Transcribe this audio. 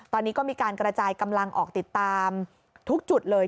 ตอนนี้ก็มีการกระจายกำลังออกติดตามทุกจุดเลย